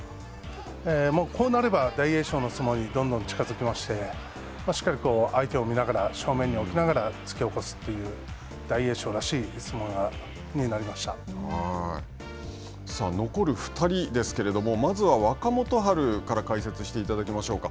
こうなれば大栄翔の相撲にどんどん近づきまして、しっかり相手を見ながら、正面に起きながら、突き起こすという大栄翔らしい残る２人ですけれども、まずは若元春から解説していただきましょうか。